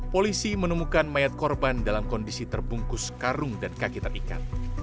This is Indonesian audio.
polisi menemukan mayat korban dalam kondisi terbungkus karung dan kaki terikat